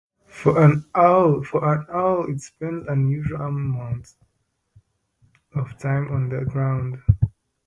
For an owl, it spends unusual amounts of time on the ground.